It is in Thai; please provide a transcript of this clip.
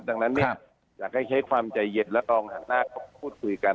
ดังนั้นเนี่ยอยากให้ใช้ความใจเย็นและลองหันหน้าพูดคุยกัน